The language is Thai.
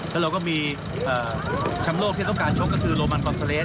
แล้วเราก็มีแชมป์โลกที่ต้องการชกก็คือโรมันกอนซาเลส